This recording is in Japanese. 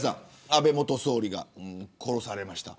安倍元総理が殺されました。